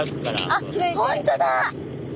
あっ本当だ！